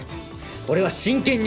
俺は真剣に！